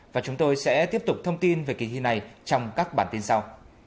và chúng tôi sẽ tiếp tục thông tin về kỳ thi này trong các bản tin sau